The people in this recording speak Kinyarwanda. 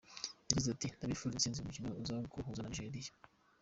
Yagize ati : "Ndabifuriza itsinzi ku mukino uza kuduhuza na Nigeria.